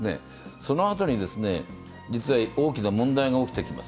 そのあとに実は大きな問題が起きてきます。